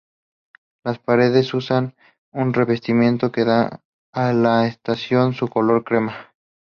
Las paredes usan un revestimiento que dan a la estación su color crema.